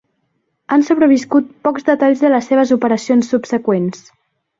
Han sobreviscut pocs detalls de les seves operacions subseqüents.